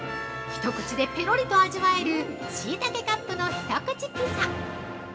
一口でペロリと味わえる「しいたけカップのひと口ピザ」◆